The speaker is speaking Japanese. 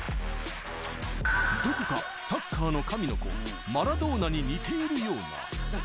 どこかサッカーの神の子・マラドーナに似ているような？